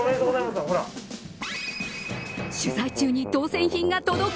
取材中に当選品が届く